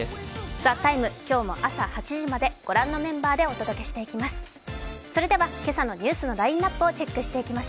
「ＴＨＥＴＩＭＥ，」、今日も朝８時までご覧のメンバーでお届けしていきます。